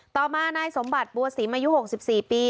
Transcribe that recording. ต่อมานายสมบัติบัวสิมอายุ๖๔ปี